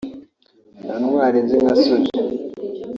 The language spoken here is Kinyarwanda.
"Nta ntwari nzi nka Soldier’